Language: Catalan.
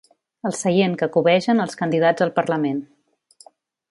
El seient que cobegen els candidats al Parlament.